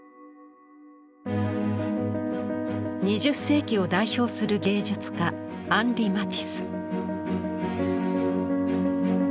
２０世紀を代表する芸術家アンリ・マティス。